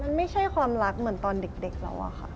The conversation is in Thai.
มันไม่ใช่ความรักเหมือนตอนเด็กเราอะค่ะ